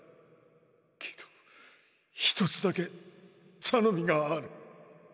けど一つだけ頼みがある。